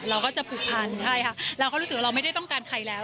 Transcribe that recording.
เราก็จะผูกพันใช่ค่ะเราก็รู้สึกว่าเราไม่ได้ต้องการใครแล้ว